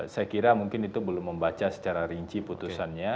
saya kira mungkin itu belum membaca secara rinci putusannya